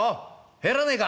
入らねえか！